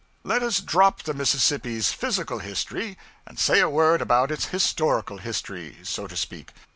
Let us drop the Mississippi's physical history, and say a word about its historical history so to speak.